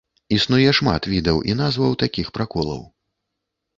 Існуе шмат відаў і назваў такіх праколаў.